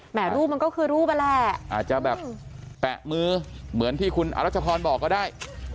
รูปมันก็คือรูปนั่นแหละอาจจะแบบแปะมือเหมือนที่คุณอรัชพรบอกก็ได้